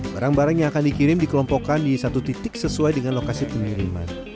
barang barang yang akan dikirim dikelompokkan di satu titik sesuai dengan lokasi pengiriman